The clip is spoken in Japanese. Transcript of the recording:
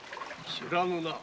知らぬな。